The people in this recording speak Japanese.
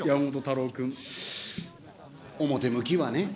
表向きはね。